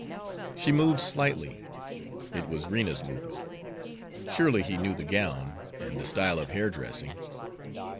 She moved slightly; it was Rena's movement. Surely he knew the gown, and the style of hair dressing!